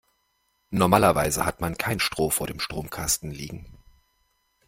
Normalerweise hat man kein Stroh vor dem Stromkasten liegen.